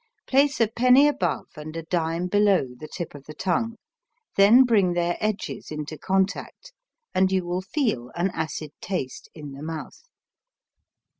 Place a penny above and a dime below the tip of the tongue, then bring their edges into contact, and you will feel an acid taste in the mouth.